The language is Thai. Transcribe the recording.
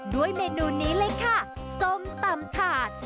ด้วยเมนูนี้เลยค่ะส้มตำถาด